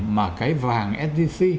mà cái vàng sgc